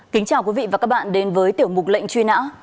kính chào quý vị và các bạn đến với tiểu mục lệnh truy nã